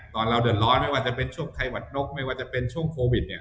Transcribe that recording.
ตอนเราเดินร้อนไม่ว่าจะเป็นช่วงไทยหวัดนกไม่ว่าจะเป็นช่วงโควิด